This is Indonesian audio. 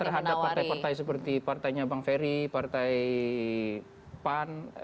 terhadap partai partai seperti partainya bang ferry partai pan